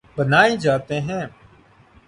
بنائے جاتے ہیں